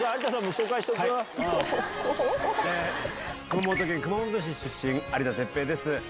熊本県熊本市出身有田哲平です。